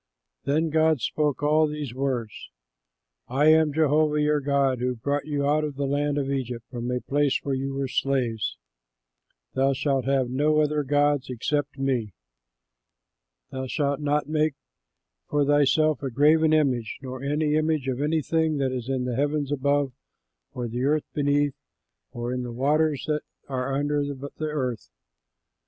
Then God spoke all these words: "I am Jehovah your God who brought you out of the land of Egypt, from a place where you were slaves. "THOU SHALT HAVE NO OTHER GODS EXCEPT ME. "THOU SHALT NOT MAKE FOR THYSELF A GRAVEN IMAGE, nor any image of anything that is in the heavens above, on the earth beneath, or in the waters that are under the earth.